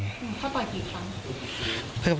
เขาต่อยกี่ครั้ง